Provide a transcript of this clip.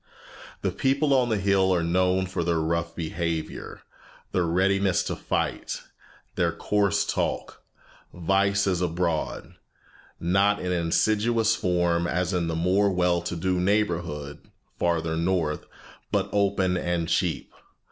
The people on the hill are known for their rough behavior, their readiness to fight, their coarse talk. Vice is abroad, not in insidious form as in the more well to do neighborhood farther north, but open and cheap.